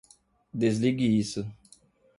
Desligue isso.